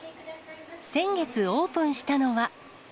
先月オープンしたのは。